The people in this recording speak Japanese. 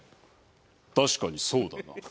確かにそうだな。